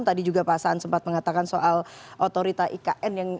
tadi juga pak saan sempat mengatakan soal otorita ikn